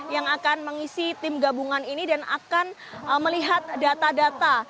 yang akan mengisi tim gabungan ini dan akan melihat data data